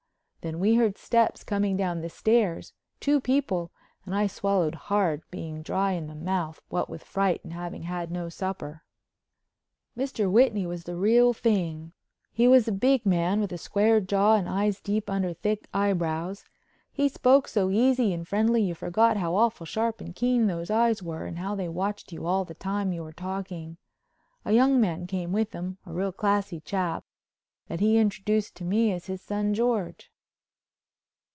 Then we heard steps coming down the stairs—two people—and I swallowed hard being dry in the mouth, what with fright and having had no supper. Mr. Whitney was the real thing. He was a big man, with a square jaw and eyes deep in under thick eyebrows. He spoke so easy and friendly that you forgot how awful sharp and keen those eyes were and how they watched you all the time you were talking. A young man came with him—a real classy chap—that he introduced to me as his son, George.